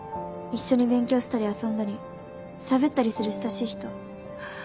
「一緒に勉強したり遊んだりしゃべったりする親しい人」